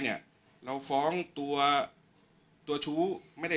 ช่างแอร์เนี้ยคือล้างหกเดือนครั้งยังไม่แอร์